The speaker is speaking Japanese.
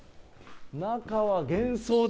中は幻想的。